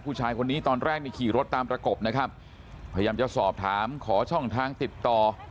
ผู้ชายคนนี้ตอนแรกนี่ขี่รถตามประกบนะครับพยายามจะสอบถามขอช่องทางติดต่อ